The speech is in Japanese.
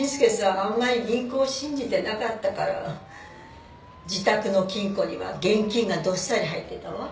あんまり銀行を信じてなかったから自宅の金庫には現金がどっさり入ってたわ。